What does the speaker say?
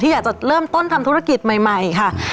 อยากจะเริ่มต้นทำธุรกิจใหม่ค่ะ